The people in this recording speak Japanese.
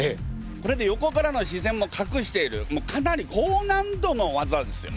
これで横からの視線もかくしているかなり高難度の技ですよ。